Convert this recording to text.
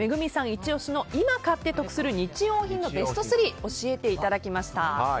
イチ押しの今買って得する日用品のベスト３教えていただきました。